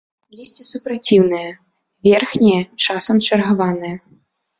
Лісце супраціўнае, верхняе часам чаргаванае.